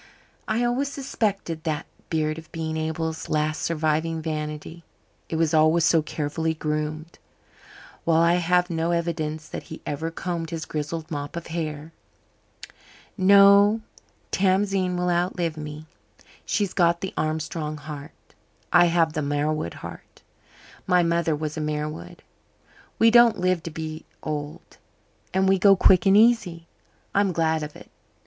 I always suspected that beard of being Abel's last surviving vanity. It was always so carefully groomed, while I had no evidence that he ever combed his grizzled mop of hair. "No, Tamzine will outlive me. She's got the Armstrong heart. I have the Marwood heart my mother was a Marwood. We don't live to be old, and we go quick and easy. I'm glad of it.